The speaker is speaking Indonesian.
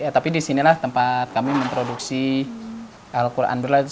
tapi di sinilah tempat kami memproduksi al qur'an braille